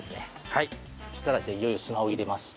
そしたらじゃあいよいよ砂を入れます。